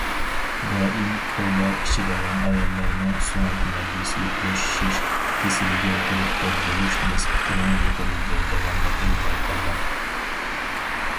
دائىم كولا ئىچىدىغان ئاياللارنىڭ سۆڭەك ماددىسى بوشىشىش كېسىلىگە گىرىپتار بولۇش نىسبىتىنىڭ يۇقىرى بولىدىغانلىقى بايقالغان.